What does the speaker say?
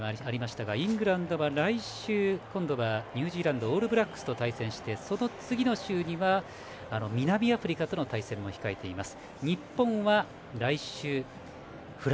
今、インタビューにもありましたがイングランドは来週ニュージーランドオールブラックスと対戦してその次の週には南アフリカとの対戦も控えています。